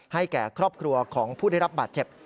แก่ครอบครัวของผู้ได้รับบาดเจ็บ